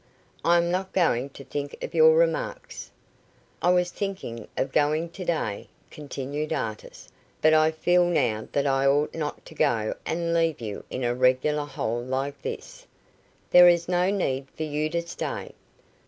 "I am not going to think of your remarks." "I was thinking of going to day," continued Artis; "but I feel now that I ought not to go and leave you in a regular hole like this." "There is no need for you to stay."